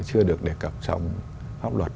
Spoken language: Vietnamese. chưa được đề cập trong pháp luật